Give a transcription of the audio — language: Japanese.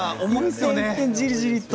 じりじりと。